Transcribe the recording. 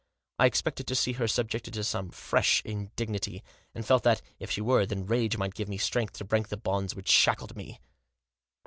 I expected to see her subjected to some fresh indignity, and felt that, if she were, then rage might give me strength to break the bonds which shackled me.